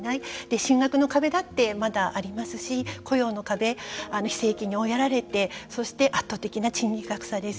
進学の壁だってまだありますし雇用の壁、非正規に追いやられてそして圧倒的な賃金格差です。